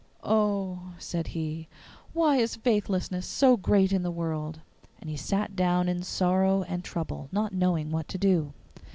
'Oh,' said he, 'why is faithlessness so great in the world?' and he sat down in sorrow and trouble, not knowing what to do.